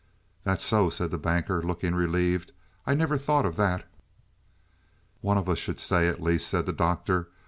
"That's so," said the Banker, looking relieved. "I never thought of that." "One of us should stay at least," said the Doctor.